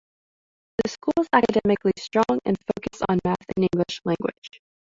The school is academically strong and focus on math and English language.